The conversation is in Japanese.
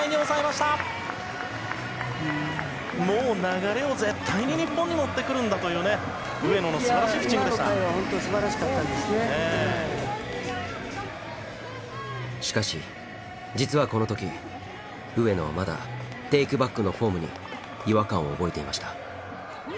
しかし実はこの時上野はまだテイクバックのフォームに違和感を覚えていました。